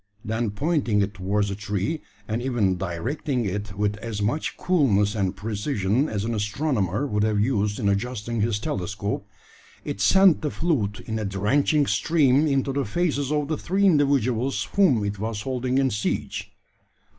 Then pointing it towards the tree, and even directing it with as much coolness and precision as an astronomer would have used in adjusting his telescope, it sent the fluid in a drenching stream into the faces of the three individuals whom it was holding in siege.